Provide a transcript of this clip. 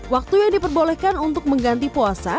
waktu yang diperbolehkan untuk mengganti puasa